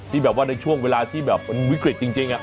ที่แบบว่าในช่วงเวลาที่แบบมันวิกฤตจริง